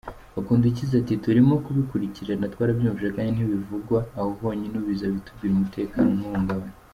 Bakundukize ati“Turimo kubikurikirana, twarabyumvise kandi ntibivugwa aho honyine ubizi abitubwire, umutekano ntuhungabane.